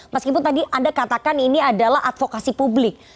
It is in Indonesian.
meskipun tadi anda katakan ini adalah advokasi publik